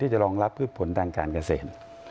จะรองรับพืชผลทางการเกษตร